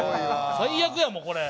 最悪や、こう、これ。